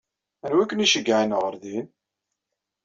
Anwa i ken-iceyyɛen ɣer din?